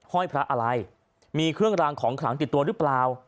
ห้อยพระอะไรมีเครื่องรางของขลังติดตัวหรือเปล่า